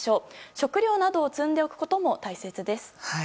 食料などを積んでおくことも大切です。